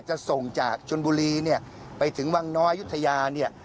จะส่งจากชนบุรีเนี่ยไปถึงวังน้อยยุธยาเนี่ย